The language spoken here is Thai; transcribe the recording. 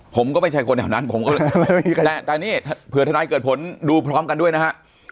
ผมก็ไม่ใช่คนแถวนั้นผมก็แหละแต่นี่เผื่อทนายเกิดผลดูพร้อมกันด้วยนะฮะ